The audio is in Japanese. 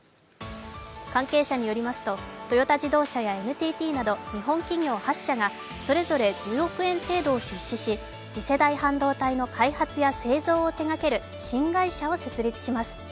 関係者によりますとトヨタ自動車やＮＴＴなど日本企業８社がそれぞれ１０億円程度を出資し開発や製造を手がける新会社を設立します。